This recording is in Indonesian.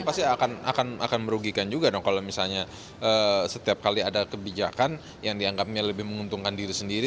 pasti akan merugikan juga dong kalau misalnya setiap kali ada kebijakan yang dianggapnya lebih menguntungkan diri sendiri